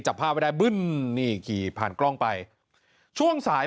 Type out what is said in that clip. จับผ้าไว้ได้นี่ผ่านกล้องไปช่วงสาย